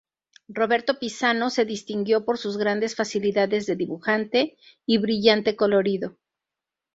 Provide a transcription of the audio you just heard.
Roberto Pizano se distinguió por sus grandes facilidades de dibujante y brillante colorido.